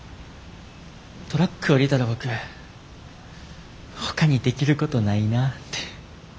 トラック降りたら僕ほかにできることないなって。